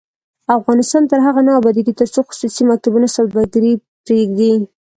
افغانستان تر هغو نه ابادیږي، ترڅو خصوصي مکتبونه سوداګري پریږدي.